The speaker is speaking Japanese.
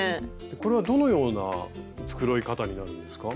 これはどのような繕い方になるんですか？